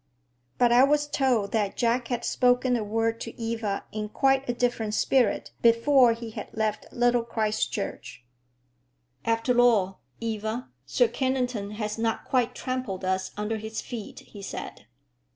But I was told that Jack had spoken a word to Eva in quite a different spirit before he had left Little Christchurch. "After all, Eva, Sir Kennington has not quite trampled us under his feet," he said.